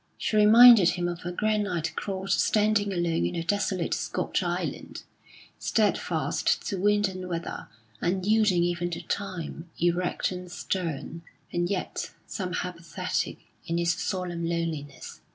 She reminded him of a granite cross standing alone in a desolate Scotch island, steadfast to wind and weather, unyielding even to time, erect and stern, and yet somehow pathetic in its solemn loneliness.